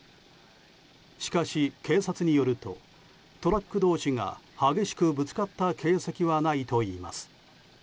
しかし警察によるとトラック同士が激しくぶつかった形跡はないといいます。